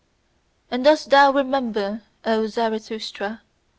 And dost thou remember, O Zarathustra?